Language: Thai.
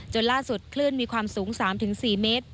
ล่าสุดคลื่นมีความสูง๓๔เมตร